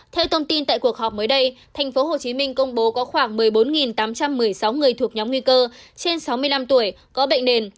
theo thông tin tại cuộc họp mới đây tp hcm công bố có khoảng một mươi bốn tám trăm một mươi sáu người thuộc nhóm nguy cơ trên sáu mươi năm tuổi có bệnh nền